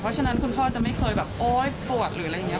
เพราะฉะนั้นคุณพ่อจะไม่เคยแบบโอ๊ยปวดหรืออะไรอย่างนี้